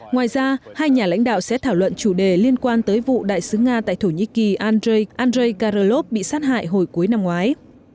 ngoài ra hai nhà lãnh đạo sẽ thảo luận chủ đề liên quan tới vụ đại sứ nga tại thổ nhĩ kỳ andrei andrei karaolov bị sát hại hồi cuối năm ngoái